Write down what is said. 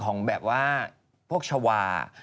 ห้องไหน